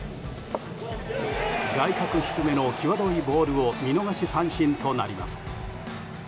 外角低めの際どいボールを見逃し三振となります。